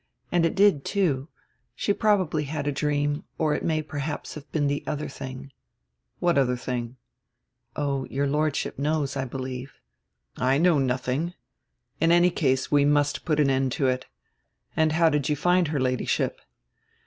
And it did, too. She probably had a dream, or it may perhaps have been the other tiling." "What other tiling?" "Oh, your Lordship knows, I believe." "I know nothing. In any case we must put an end to it. And how did you find her Ladyship?"